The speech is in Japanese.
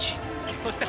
そして林。